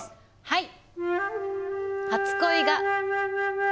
はい。